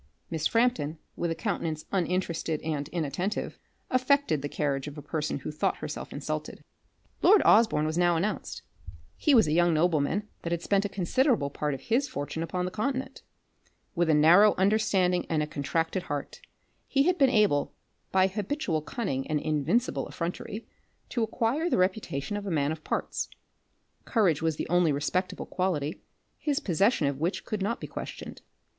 Miss Frampton, with a countenance uninterested and inattentive, affected the carriage of a person who thought herself insulted. Lord Osborne was now announced. He was a young nobleman, that had spent a considerable part of his fortune upon the continent. With a narrow understanding and a contracted heart, he had been able by habitual cunning and invincible effrontery, to acquire the reputation of a man of parts. Courage was the only respectable quality, his possession of which could not be questioned.